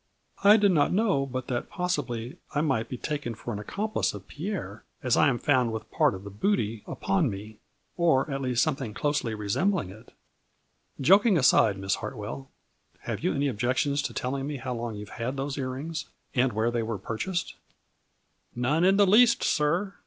" I did not know but that possibly I might be taken as an accomplice of Pierre, as I am found with part of the booty upon me ; or at least something closely resembling it." "Joking aside, Miss Hartwell, have you any objections to telling me how long you have A FLURRY IN DIAMONDS. 177 had those ear rings, and where they were pur chased ?"" None in the least, sir.